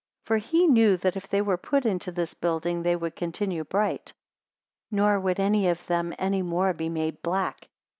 252 For he knew that if they were put into, this building they would continue bright; nor would any of them any more be made black.